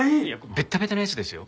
ベッタベタなやつですよ。